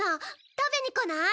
食べに来ない？